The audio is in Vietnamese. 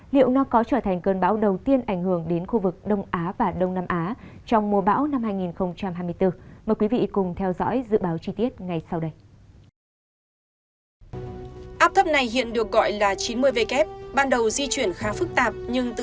liệu nó có trở thành cơn bão đầu tiên ảnh hưởng đến khu vực đông á và đông nam á trong mùa bão năm hai nghìn hai mươi bốn